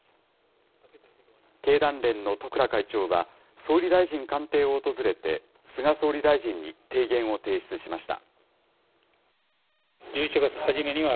経団連の十倉会長は、総理大臣官邸を訪れて菅総理大臣に提言を提出しました。